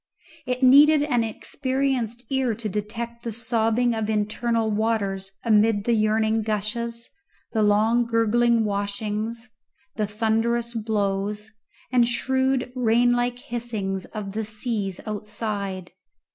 It needed an experienced ear to detect the sobbing of internal waters amid the yearning gushes, the long gurgling washings, the thunderous blows, and shrewd rain like hissings of the seas outside.